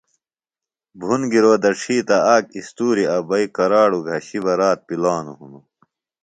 بُھن گِرا دڇھی تہ آک اِستوریۡ ابئی کراڑوۡ گھشیۡ بہ رات پِلانوۡ ہِنوۡ